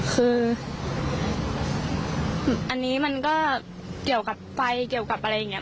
คืออันนี้มันก็เกี่ยวกับไฟเกี่ยวกับอะไรอย่างนี้